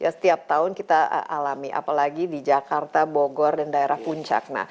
setiap tahun kita alami apalagi di jakarta bogor dan daerah puncak